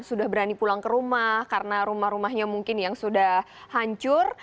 sudah berani pulang ke rumah karena rumah rumahnya mungkin yang sudah hancur